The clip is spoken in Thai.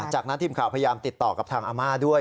จากนั้นทีมข่าวพยายามติดต่อกับทางอาม่าด้วย